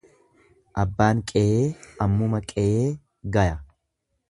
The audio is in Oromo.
Abbaan qeyee ammuma qeyee gaya.